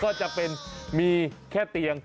ก็จะเป็นมีแค่เตียง